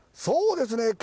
そうですね